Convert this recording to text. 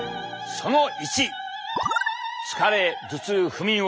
その１。